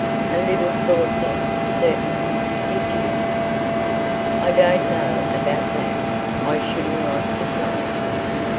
"I little thought then, certainly. Did you?" "I don't know about that; I shouldn't like to say."